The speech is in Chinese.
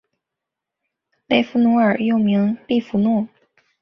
雷佛奴尔又名利凡诺。